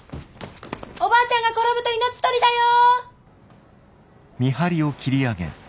おばあちゃんが転ぶと命取りだよ！